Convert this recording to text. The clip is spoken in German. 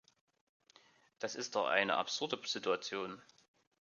Das ist doch eine absurde Situation!